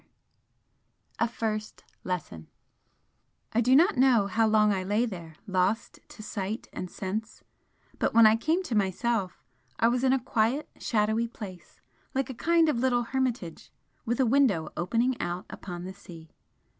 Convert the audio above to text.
XV A FIRST LESSON I do not know how long I lay there lost to sight and sense, but when I came to myself, I was in a quiet, shadowy place, like a kind of little hermitage, with a window opening out upon the sea.